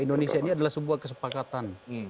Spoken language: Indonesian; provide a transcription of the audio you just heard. indonesia ini adalah sebuah kesepakatan